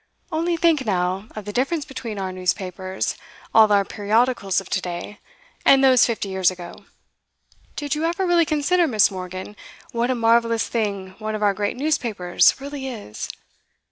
Only think now, of the difference between our newspapers, all our periodicals of to day, and those fifty years ago. Did you ever really consider, Miss. Morgan, what a marvellous thing one of our great newspapers really is?